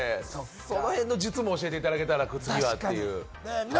その辺の術も教えていただけたら助かるなという。